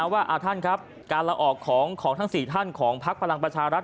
ว่าท่านครับการลาออกของทั้ง๔ท่านของพักพลังประชารัฐ